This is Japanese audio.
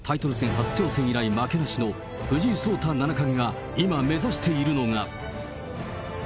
初挑戦以来負けなしの藤井聡太七冠が今目指しているのが。